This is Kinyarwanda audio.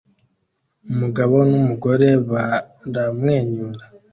Umugabo n'umugore baramwenyura